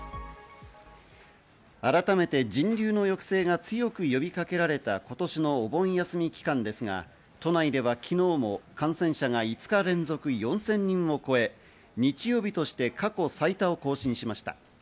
改めて人流の抑制が強く呼びかけられた今年のお盆休み期間ですが、都内では昨日も感染者が５日連続４０００人を超え、日曜日として過去最多を更新しました。